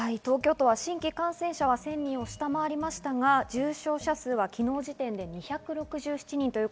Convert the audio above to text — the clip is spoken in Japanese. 新規感染者は１０００人を下回りましたが重症者数は昨日時点で２６７人です。